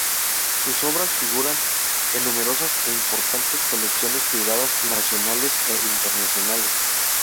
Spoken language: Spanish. Sus obras figuran en numerosas e importantes colecciones privadas nacionales e internacionales.